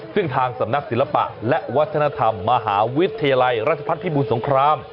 ซึ่งทางสำนักศิลปะและวัฒนธรรมมหาวิทยาลัยราชพัฒนภิบูรสงคราม